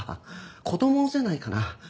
子供じゃないかな？